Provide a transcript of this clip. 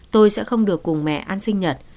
tôi sẽ không được cùng mẹ ăn sinh nhật